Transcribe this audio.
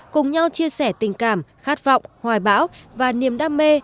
cùng nhau chia sẻ tình cảm khát vọng hoài bão và niềm đam mê